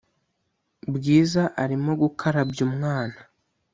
bwiza arimo gukarabya umwana